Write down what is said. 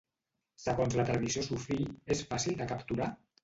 Segons la tradició sufí, és fàcil de capturar?